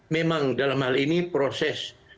memang dalam hal ini proses